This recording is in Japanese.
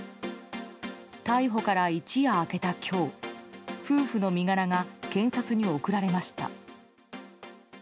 逮捕から一夜明けた今日夫婦の身柄が検察に送られました。